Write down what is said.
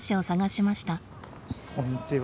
こんにちは。